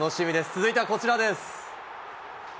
続いてはこちらです。